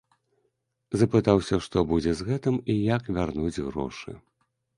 Запытаўся, што будзе з гэтым і як вярнуць грошы.